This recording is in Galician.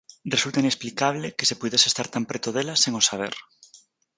"Resulta inexplicable que se puidese estar tan preto dela sen o saber".